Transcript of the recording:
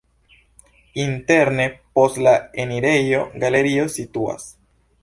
Interne post la enirejo galerio situas.